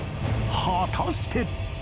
果たして